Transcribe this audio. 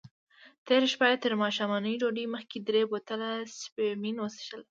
تېره شپه یې تر ماښامنۍ ډوډۍ مخکې درې بوتله شیمپین وڅیښل.